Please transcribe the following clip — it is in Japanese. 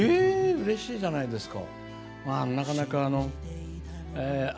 うれしいじゃないですか！